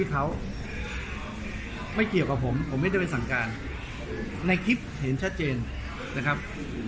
กับผมผมไม่ได้เป็นสั่งการในคลิปเห็นชัดเจนนะครับ